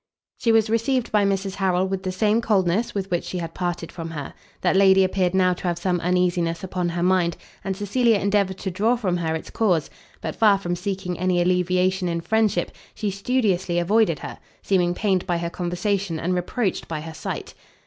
She was received by Mrs Harrel with the same coldness with which she had parted from her. That lady appeared now to have some uneasiness upon her mind, and Cecilia endeavoured to draw from her its cause; but far from seeking any alleviation in friendship, she studiously avoided her, seeming pained by her conversation, and reproached by her sight.